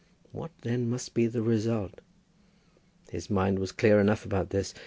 What then must be the result? His mind was clear enough about this.